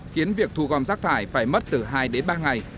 khiến việc thu gom rác thải phải mất từ hai đến ba ngày